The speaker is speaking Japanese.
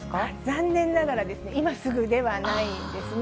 残念ながら、今すぐではないんですね。